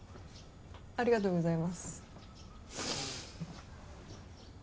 ありがとうございます。